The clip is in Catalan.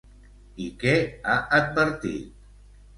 I què ha advertit?